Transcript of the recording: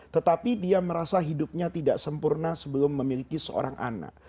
tetapi dia merasa hidupnya tidak sempurna sebelum memiliki seorang anak